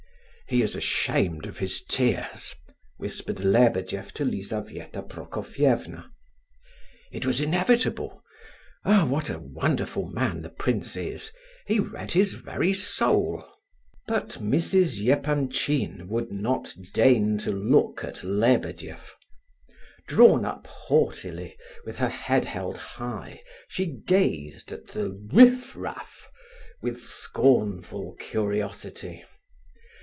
"He is ashamed of his tears!" whispered Lebedeff to Lizabetha Prokofievna. "It was inevitable. Ah! what a wonderful man the prince is! He read his very soul." But Mrs. Epanchin would not deign to look at Lebedeff. Drawn up haughtily, with her head held high, she gazed at the "riff raff," with scornful curiosity.